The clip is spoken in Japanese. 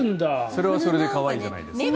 それはそれで可愛いじゃないですか。